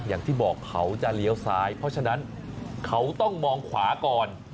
อย่างที่บอกเขาจะเลี้ยวซ้ายเพราะฉะนั้นเขาต้องมองขวาก่อน